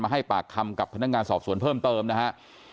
ให้ปากคำกับพนักงานสอบสวนเพิ่มเติมนะฮะ